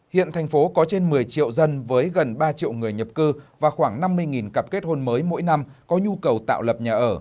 hiện thành phố có trên một mươi triệu dân với gần ba triệu người nhập cư và khoảng năm mươi cặp kết hôn mới mỗi năm có nhu cầu tạo lập nhà ở